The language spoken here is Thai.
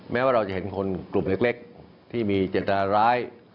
แม้ว่าเราจะเห็นคนกลุ่มเล็กที่มีเจตนาร้าย